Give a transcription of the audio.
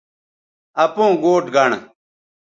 اپوں گوٹھ گنڑ